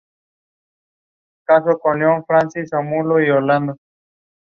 Many of his paintings feature horses.